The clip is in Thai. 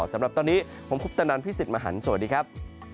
สำหรับตอนนี้ผมคุปตนันพี่สิทธิ์มหันฯสวัสดีครับ